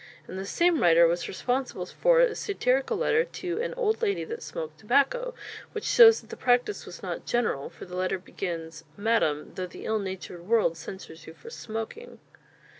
And the same writer was responsible for a satirical letter "to an Old Lady that smoak'd Tobacco," which shows that the practice was not general, for the letter begins: "Madam, Tho' the ill natur'd world censures you for smoaking."